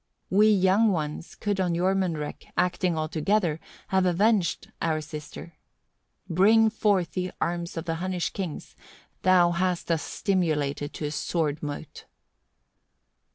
We young ones could on Jormunrek, acting all together, have avenged our sister. 6. "Bring forth the arms of the Hunnish kings: thou hast us stimulated to a sword mote."